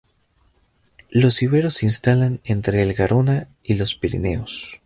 Los iberos se instalan entre el Garona y los Pirineos.